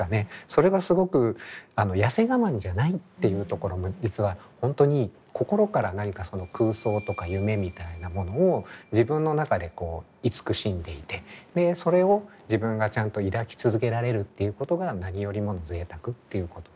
それがすごく痩せ我慢じゃないっていうところも実は本当に心から何かその空想とか夢みたいなものを自分の中でこういつくしんでいてそれを自分がちゃんと抱き続けられるっていうことが何よりもの贅沢っていうこと。